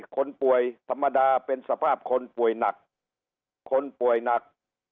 คนป่วยธรรมดาเป็นสภาพคนป่วยหนักคนป่วยหนัก